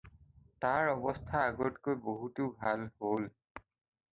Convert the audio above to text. তাৰ অৱস্থা আগতকৈ বহুতো ভাল হ'ল।